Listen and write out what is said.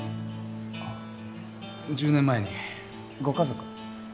ああ１０年前にご家族は？